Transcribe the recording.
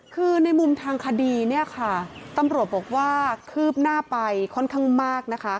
คือในมุมทางคดีเนี่ยค่ะตำรวจบอกว่าคืบหน้าไปค่อนข้างมากนะคะ